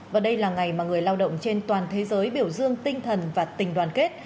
và đây là ngày mà người lao động trên toàn thế giới biểu dương tinh thần và tình đoàn kết